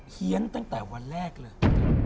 เฮียนตั้งแต่วันแรกเลย